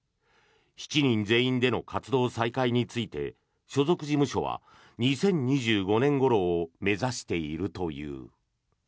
７人全員での活動再開について所属事務所は２０２５年ごろを目指しているという。